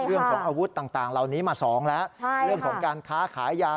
เรื่องของอาวุธต่างเหล่านี้มาสองแล้วเรื่องของการค้าขายยา